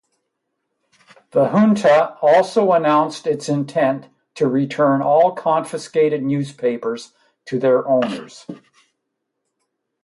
The junta also announced its intent to return all confiscated newspapers to their owners.